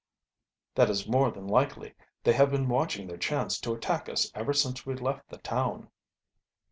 "That is more than likely. They have been watching their chance to attack us ever since we left the town."